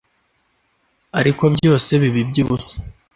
ariko byose biba iby'ubusa